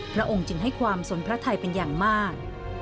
พระองค์จึงให้ความสนพระไทยเป็นอย่างมาก